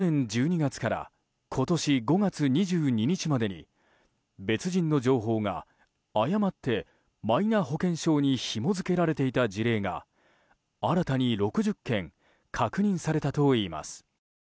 厚労省によりますと去年１２月から今年５月２２日までに別人の情報が誤ってマイナ保険証にひも付けられていた事例が新たに６０件確認されたといいます。